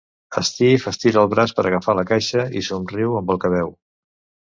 Steve estira el braç per agafar la caixa i somriu amb el que veu.